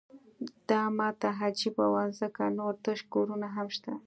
دا ماته عجیبه وه ځکه نور تش کورونه هم شته